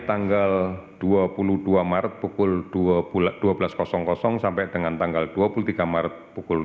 tanggal dua puluh dua maret pukul dua belas sampai dengan tanggal dua puluh tiga maret pukul dua belas